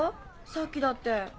さっきだって。